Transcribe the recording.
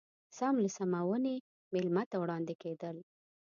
سم له سمونې مېلمه ته وړاندې کېدل.